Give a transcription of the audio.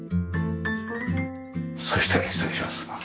そして失礼します。